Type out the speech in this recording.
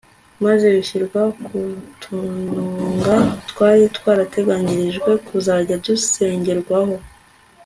maze bishyirwa ku tununga twari twarateganyirijwe kuzajya dusengerwaho